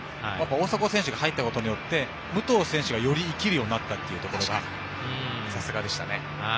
大迫選手が入ったことによって武藤選手がより生きるようになったというところはさすがでしたね。